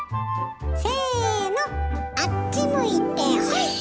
せのあっち向いてホイ！